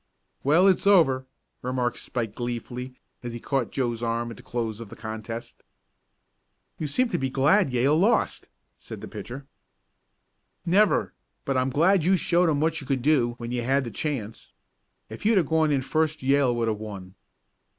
"Well, it's over," remarked Spike gleefully as he caught Joe's arm at the close of the contest. "You seem glad that Yale lost," said the pitcher. "Never! But I'm glad you showed 'em what you could do when you had the chance. If you'd gone in first Yale would have won!"